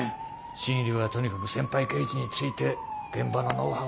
新入りはとにかく先輩刑事について現場のノウハウを学ぶんだ。